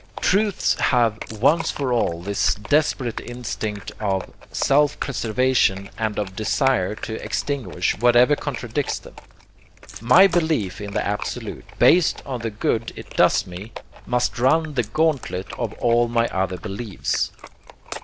Truths have once for all this desperate instinct of self preservation and of desire to extinguish whatever contradicts them. My belief in the Absolute, based on the good it does me, must run the gauntlet of all my other beliefs.